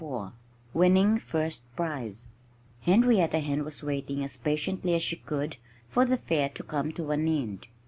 XXIV WINNING FIRST PRIZE Henrietta Hen was waiting as patiently as she could for the fair to come to an end.